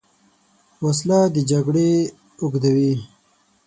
وسله د جګړې اوږدوې